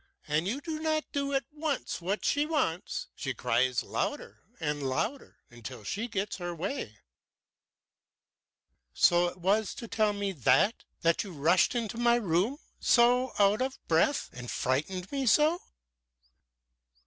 and you do not do at once what she wants, she cries louder and louder until she gets her way." "So it was to tell me that that you rushed into my room so out of breath and frightened me so?"